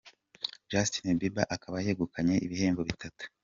Justin Bieber akaba yegukanye ibihembo bitatu.